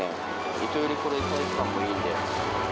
イトヨリ、これ、サイズ感もいいんで。